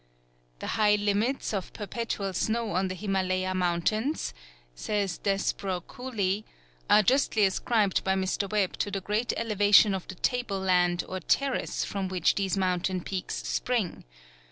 "The high limits of perpetual snow on the Himalaya mountains," says Desborough Cooley, "are justly ascribed by Mr. Webb to the great elevation of the table land or terrace from which these mountain peaks spring.